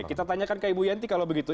kita tanyakan ke ibu yanti kalau begitu